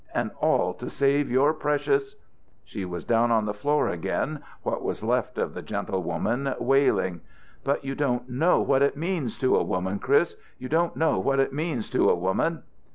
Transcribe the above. And all to save your precious " She was down on the floor again, what was left of the gentlewoman, wailing. "But you don't know what it means to a woman, Chris! You don't know what it means to a woman!"